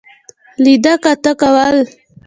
لیده کاته کول.